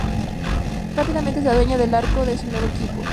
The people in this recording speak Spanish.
Rápidamente se adueña del arco de su nuevo equipo.